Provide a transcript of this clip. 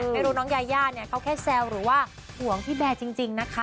ไม่รู้น้องยายาเนี่ยเขาแค่แซวหรือว่าห่วงพี่แบร์จริงนะคะ